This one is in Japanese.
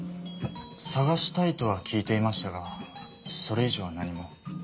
捜したいとは聞いていましたがそれ以上は何も。